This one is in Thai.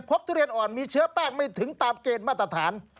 ทุเรียนอ่อนมีเชื้อแป้งไม่ถึงตามเกณฑ์มาตรฐาน